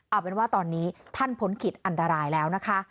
เอาเป็นว่าตอนนี้ท่านพ้นขิดอันตรายแล้วนะคะ